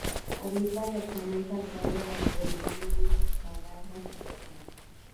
Agripa reaccionó encargando a Polemón I restaurar la situación.